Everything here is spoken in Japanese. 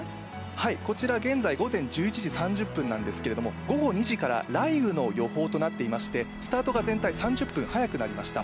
こちら現在午前１１時３０分なんですけれども午後２時から雷雨の予報となっていましてスタートが全体３０分早くなりました。